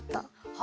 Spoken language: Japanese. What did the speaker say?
は